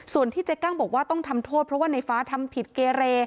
ส่วนที่เจ๊กั้งบอกว่าต้องทำโทษเพราะว่าในฟ้าทำผิดเกเร